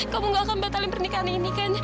kamu gak akan membatalkan pernikahan ini kan